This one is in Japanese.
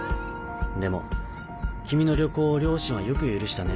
でも君の旅行を両親はよく許したね。